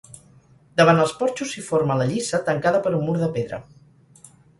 Davant els porxos s'hi forma la lliça tancada per un mur de pedra.